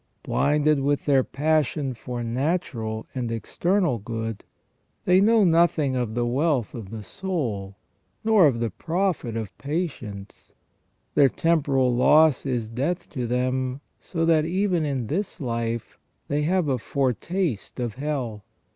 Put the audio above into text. Blinded with their passion for natural and external good, they know nothing of the wealth of the soul, nor of the profit of patience : their temporal loss is death to them, so that even in this life they have a foretaste of hell.